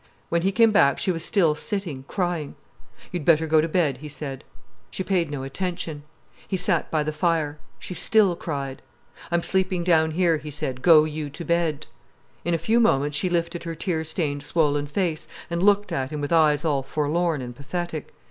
When he came back she was still sitting crying. "You'd better go to bed," he said. She paid no attention. He sat by the fire. She still cried. "I'm sleeping down here," he said. "Go you to bed." In a few moments she lifted her tear stained, swollen face and looked at him with eyes all forlorn and pathetic.